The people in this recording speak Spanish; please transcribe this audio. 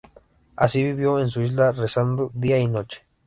Así vivió en su isla, rezando día y noche.